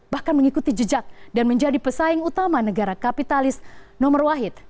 bahkan mengikuti jejak dan menjadi pesaing utama negara kapitalis nomor wahid